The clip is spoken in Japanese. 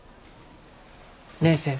ねえ先生。